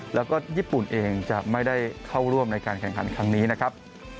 แล้วก็ญี่ปุ่นเองจะไม่ได้เข้าร่วมในการแข่งขันครั้งนี้นะครับ